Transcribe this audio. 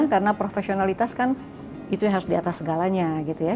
karena profesionalitas kan itu yang harus di atas segalanya gitu ya